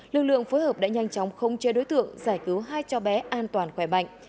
lực lượng phối hợp đã nhanh chóng khống chế đối tượng giải cứu hai cho bé an toàn khỏe bệnh